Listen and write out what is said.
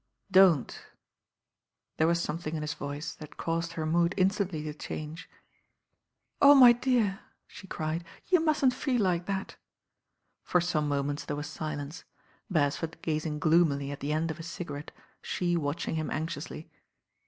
"Don't I" There was something in his voice that caused her mood instantly to change. "Oh, my dear 1" she cried, "you mustn't feel like that." For some moments there was silence, Beresford gazing gloomily at the end of his cigarette, she watching him anxiously.